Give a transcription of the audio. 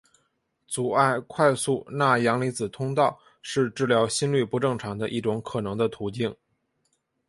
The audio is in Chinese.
阻碍快速钠阳离子通道是治疗心律不正常的一种可能的途径。